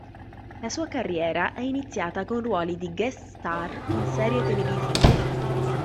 La sua carriera è iniziata con ruoli di guest star in serie televisive.